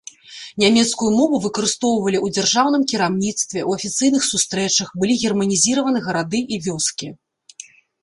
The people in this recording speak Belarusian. Нямецкую мову выкарыстоўвалі ў дзяржаўным кіраўніцтве, у афіцыйных сустрэчах, былі германізаваны гарады і вёскі.